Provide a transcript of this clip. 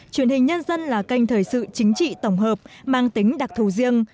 truyền hình nhân dân là kênh thời sự chính trị tổng hợp mang tính đặc thù riêng